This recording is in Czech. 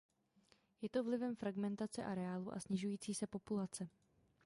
Je to vlivem fragmentace areálu a snižující se populace.